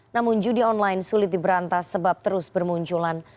namun judi online sulit diberantas sebab terus bermunculan